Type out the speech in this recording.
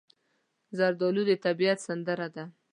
زردالو د طبیعت سندره ده.